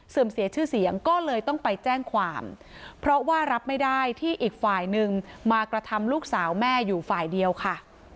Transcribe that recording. เสียชื่อเสียงก็เลยต้องไปแจ้งความเพราะว่ารับไม่ได้ที่อีกฝ่ายนึงมากระทำลูกสาวแม่อยู่ฝ่ายเดียวค่ะ